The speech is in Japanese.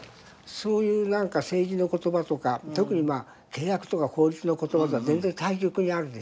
そういう政治の言葉とか特に契約とか法律の言葉とは全然対極にあるでしょ